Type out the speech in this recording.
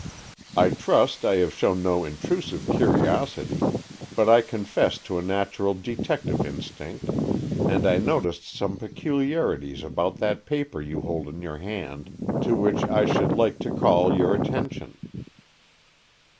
I trust I have shown no intrusive curiosity, but I confess to a natural detective instinct, and I noticed some peculiarities about that paper you hold in your hand to which I should like to call your attention."